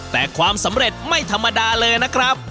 แต่ความสำเร็จไม่ธรรมดาเลยนะครับ